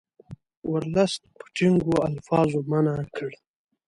ورلسټ په ټینګو الفاظو منع کړ.